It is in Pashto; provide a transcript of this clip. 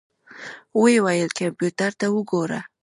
ويې ويل کمپيوټر ته وګوره.